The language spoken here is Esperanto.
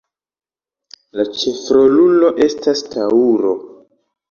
La ĉefrolulo estas taŭro.